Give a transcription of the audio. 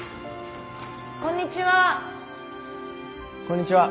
こんにちは。